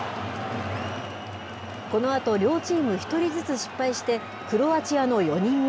このあと両チーム１人ずつ失敗して、クロアチアの４人目。